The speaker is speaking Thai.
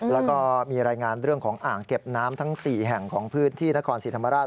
แล้วก็มีรายงานเรื่องของอ่างเก็บน้ำทั้ง๔แห่งของพื้นที่นครศรีธรรมราช